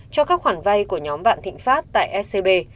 cho các khoản vay của nhóm vạn thịnh pháp tại scb